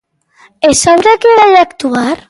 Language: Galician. ¿E sobre que vai actuar?